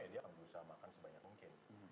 dia akan berusaha makan sebanyak mungkin